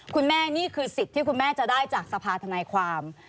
นี่คือสิทธิ์ที่คุณแม่จะได้จากสภาธนายความ